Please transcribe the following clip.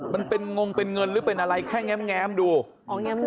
มันเป็นงงเป็นเงินหรือเป็นอะไรแค่ง๊าย